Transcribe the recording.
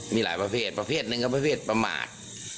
มีหลายประเภทประเภทหนึ่งก็ประเภทประมาท